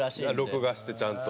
録画してちゃんと。